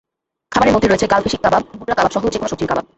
খাবারের মধ্যে রয়েছে গালফি শিক কাবাব, বুড়রা কাবাবসহ যেকোনো সবজির কাবাব।